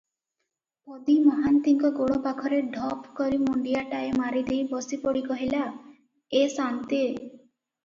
ପଦୀ ମହାନ୍ତିଙ୍କ ଗୋଡ଼ ପାଖରେ ଢପକରି ମୁଣ୍ଡିଆଟାଏ ମାରିଦେଇ ବସିପଡ଼ି କହିଲା, "ଏ ସାନ୍ତେ!